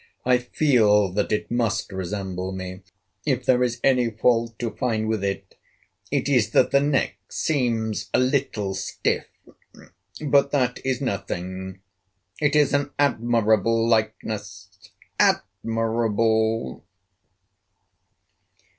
I feel that it must resemble me. If there is any fault to find with it, it is that the neck seems a little stiff. But that is nothing. It is an admirable likeness, admirable!"